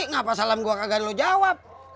kenapa salam gue kagaknya lo jawab